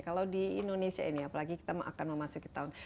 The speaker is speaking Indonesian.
kalau di indonesia ini apalagi kita akan memasuki tahun